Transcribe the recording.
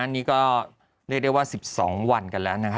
นี่ก็เรียกได้ว่า๑๒วันกันแล้วนะฮะ